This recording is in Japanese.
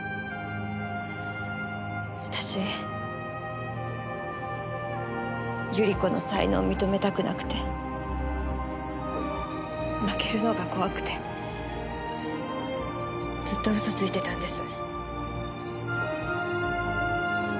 私百合子の才能を認めたくなくて負けるのが怖くてずっと嘘ついてたんです。